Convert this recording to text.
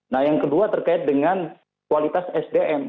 nah yang kedua terkait dengan kualitas sdm